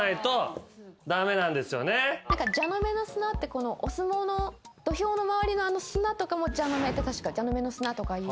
「蛇の目の砂」ってお相撲の土俵の周りの砂とかも確か蛇の目の砂とかいう。